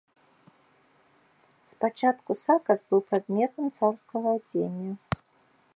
Спачатку сакас быў прадметам царскага адзення.